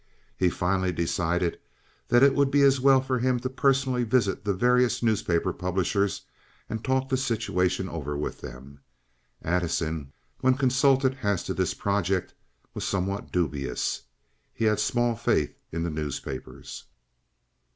He finally decided that it would be as well for him to personally visit the various newspaper publishers and talk the situation over with them. Addison, when consulted as to this project, was somewhat dubious. He had small faith in the newspapers.